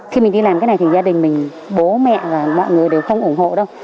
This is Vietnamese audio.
khi mình đi làm cái này thì gia đình mình bố mẹ và mọi người đều không ủng hộ đâu